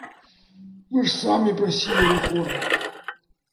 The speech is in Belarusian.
Вы ж самі прасілі рэформаў!